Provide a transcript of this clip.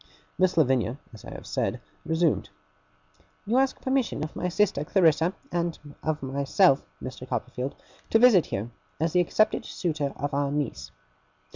Miss Lavinia, as I have said, resumed: 'You ask permission of my sister Clarissa and myself, Mr. Copperfield, to visit here, as the accepted suitor of our niece.